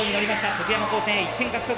徳山高専１点獲得。